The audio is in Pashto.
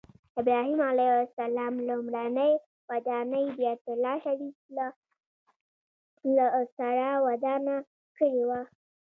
ابراهیم علیه السلام لومړنۍ ودانۍ بیت الله شریفه له سره ودانه کړې وه.